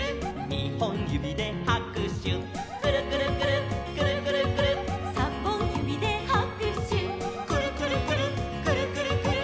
「にほんゆびではくしゅ」「くるくるくるっくるくるくるっ」「さんぼんゆびではくしゅ」「くるくるくるっくるくるくるっ」